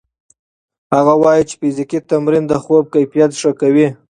هغه وايي چې فزیکي تمرین د خوب کیفیت ښه کوي.